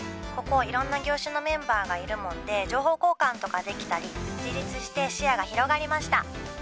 ここ、いろんな業種のメンバーがいるもんで情報交換とかできたり自立して視野が広がりました。